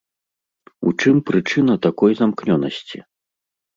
У чым прычына такой замкнёнасці?